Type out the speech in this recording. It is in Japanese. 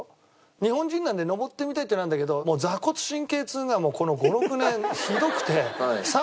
日本人なので登ってみたいっていうのはあるんだけど坐骨神経痛がもうこの５６年ひどくて。